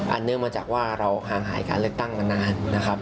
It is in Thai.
เนื่องมาจากว่าเราห่างหายการเลือกตั้งมานานนะครับ